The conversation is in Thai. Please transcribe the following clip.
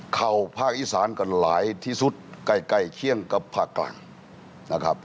ภาคอีสานกันหลายที่สุดใกล้ใกล้เคียงกับภาคกลางนะครับ